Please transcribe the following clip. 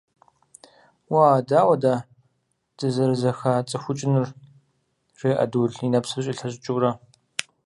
– Уа, дауэ дэ дызэрызэхацӀыхукӀынур? – жеӀэ Дул, и нэпсыр щӀилъэщӀыкӀыурэ.